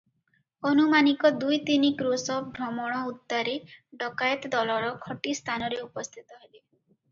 ଅନୁମାନିକ ଦୁଇ ତିନି କ୍ରୋଶ ଭ୍ରମଣ ଉତ୍ତାରେ ଡକାଏତ ଦଳର ଖଟି ସ୍ଥାନରେ ଉପସ୍ଥିତ ହେଲେ ।